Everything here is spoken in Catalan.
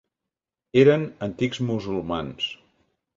Eren antics musulmans.